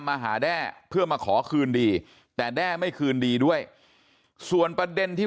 มาหาแด้เพื่อมาขอคืนดีแต่แด้ไม่คืนดีด้วยส่วนประเด็นที่